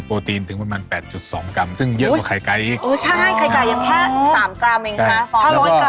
ปะไคร้